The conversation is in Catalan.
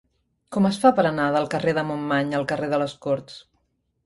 Com es fa per anar del carrer de Montmany al carrer de les Corts?